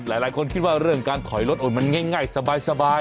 หลายคนคิดว่าเรื่องการถอยรถโอนมันง่ายสบาย